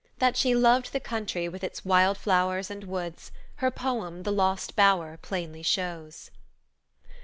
That she loved the country with its wild flowers and woods, her poem, The Lost Bower, plainly shows.